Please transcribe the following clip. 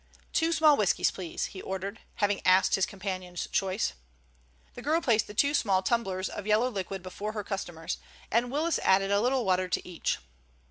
"Two small whiskies, please," he ordered, having asked his companion's choice. The girl placed the two small tumblers of yellow liquid before her customers and Willis added a little water to each.